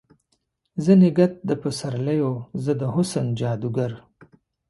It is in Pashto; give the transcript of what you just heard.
زه نګهت د پسر لیو، زه د حسن جادوګره